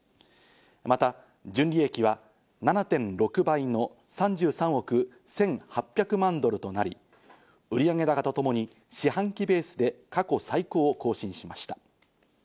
また純利益は７．６倍の３３億１８００万ドルとなり、売上高とともに四半期ベースで過去最高を更新しました。